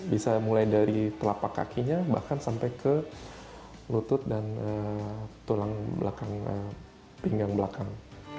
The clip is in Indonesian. bisa mulai dari telapak kakinya bahkan sampai ke lutut dan tulang belakang pinggang belakang